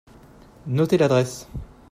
Notez l'adresse.